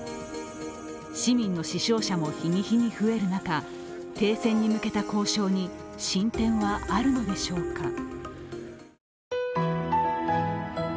市民の死傷者も日に日に増える中、停戦に向けた交渉に進展はあるのでしょうか。